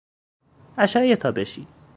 اشعهی تابشی